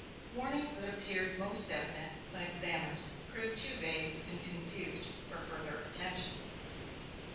Warnings that appeared most definite, when examined, proved too vague and confused for further attention.